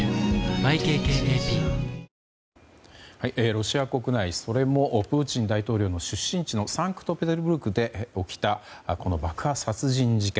ロシア国内それもプーチン大統領の出身地のサンクトぺテルブルクで起きたこの爆発殺人事件。